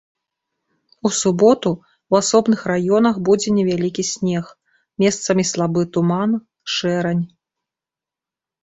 У суботу ў асобных раёнах будзе невялікі снег, месцамі слабы туман, шэрань.